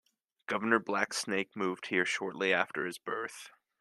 Governor Blacksnake moved here shortly after his birth.